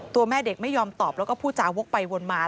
แม่เด็กไม่ยอมตอบแล้วก็พูดจาวกไปวนมา